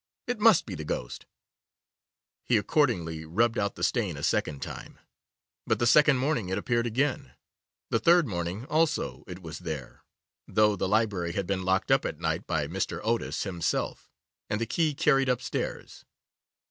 It must be the ghost.' He accordingly rubbed out the stain a second time, but the second morning it appeared again. The third morning also it was there, though the library had been locked up at night by Mr. Otis himself, and the key carried upstairs.